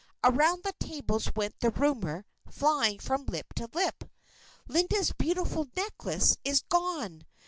Around the tables went the rumor, flying from lip to lip: "Linda's beautiful necklace is gone!